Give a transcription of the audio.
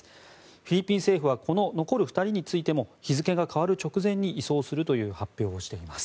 フィリピン政府はこの残る２人についても日付が変わる直前に移送するという発表をしています。